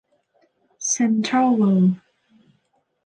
เซ็นทรัลเวิร์ล